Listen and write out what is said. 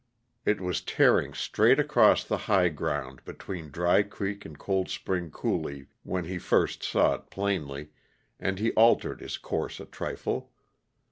It was tearing straight across the high ground between Dry Creek and Cold Spring Coulee when he first saw it plainly, and he altered his course a trifle.